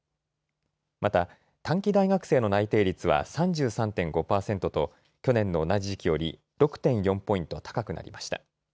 また短期大学生の内定率は３３．５％と去年の同じ時期より６．４ポイント高くなりました。